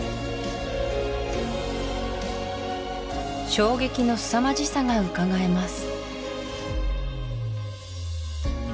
衝撃のすさまじさがうかがえます